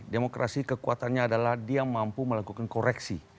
demokrasi kekuatannya adalah dia mampu melakukan koreksi